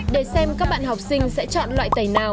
để xem các bạn học sinh sẽ chọn loại tẩy nào